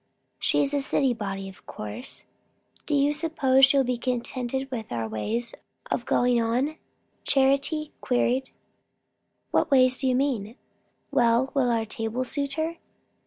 "She is a city body, of course. Do you suppose she will be contented with our ways of going on?" Charity queried. "What ways do you mean?" "Well will our table suit her?"